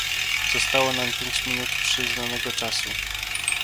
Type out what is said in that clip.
Zostało nam pięć minut przyznanego czasu